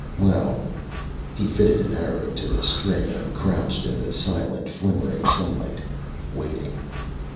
Well he fitted an arrow to the string and crouched in the silent, flimmering sunlight, waiting.